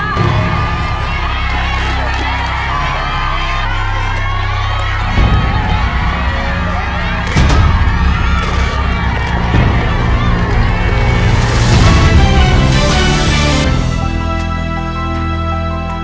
กล่องเล็กสิบห้ากล่องเล็กสิบห้า